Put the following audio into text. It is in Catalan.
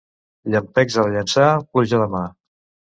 Llampecs a Llançà, pluja demà.